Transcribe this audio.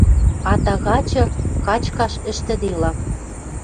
А тагачы качкаш ӹштӹделам...